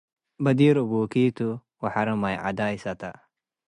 በዲር አቡኪ ቱ ወሐሬ ማይ ዐዳይ ሰተ።